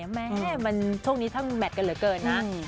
แม่มันช่วงนี้ทั้งแมทกันเหลือเกินนะ